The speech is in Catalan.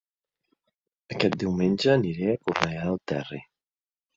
Aquest diumenge aniré a Cornellà del Terri